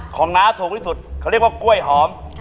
น้าถูกที่สุดเขาเรียกว่ากล้วยหอม